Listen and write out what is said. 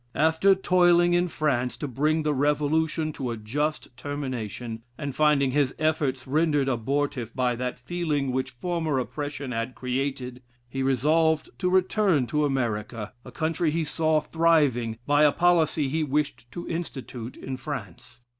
After toiling in France to bring the Revolution to a just termination, and finding his efforts rendered abortive by that feeling which former oppression had created, he resolved to return to America, a country he saw thriving by a policy he wished to institute in France.